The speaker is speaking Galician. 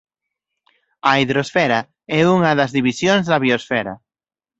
A hidrosfera é unha das divisións da biosfera.